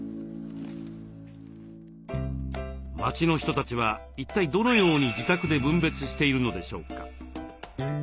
町の人たちは一体どのように自宅で分別しているのでしょうか。